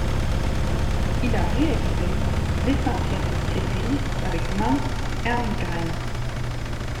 Il a réalisé l'essentiel de ses films avec Måns Herngren.